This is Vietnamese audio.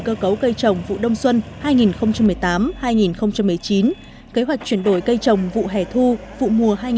cơ cấu cây trồng vụ đông xuân hai nghìn một mươi tám hai nghìn một mươi chín kế hoạch chuyển đổi cây trồng vụ hẻ thu vụ mùa hai nghìn hai mươi